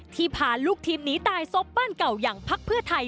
พาลูกทีมหนีตายซบบ้านเก่าอย่างพักเพื่อไทย